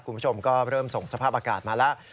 คุณผู้ชมก็เริ่มส่งสภาพอากาศมาแล้ว